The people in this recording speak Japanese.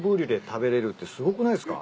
食べれるってすごくないっすか？